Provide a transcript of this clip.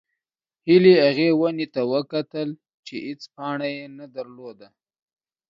هیلې هغې ونې ته وکتل چې هېڅ پاڼه یې نه درلوده.